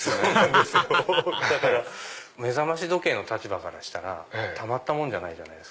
目覚まし時計の立場からしたらたまったもんじゃない。